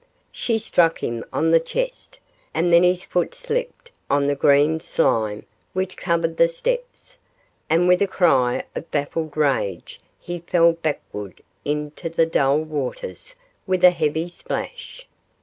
She struck him on the chest, and then his foot slipped on the green slime which covered the steps, and with a cry of baffled rage he fell backward into the dull waters, with a heavy splash.